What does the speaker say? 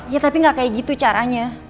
ya tapi gak kayak gitu caranya